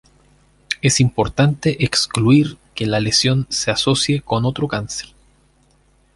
Es importante excluir que la lesión se asocie con otro cáncer.